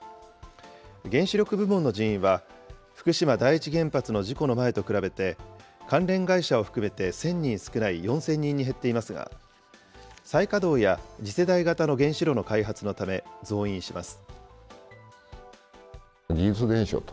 原子力部門の人員は、福島第一原発の事故の前と比べて、関連会社を含めて１０００人少ない４０００人に減っていますが、再稼働や次世代型の原子炉の開発のため、増員します。